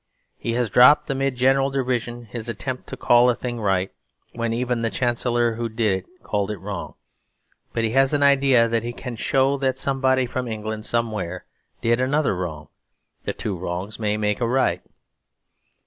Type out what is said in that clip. He has dropped, amid general derision, his attempt to call a thing right when even the Chancellor who did it called it wrong. But he has an idea that if he can show that somebody from England somewhere did another wrong, the two wrongs may make a right.